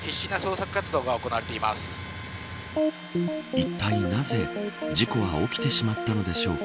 いったいなぜ、事故は起きてしまったのでしょうか。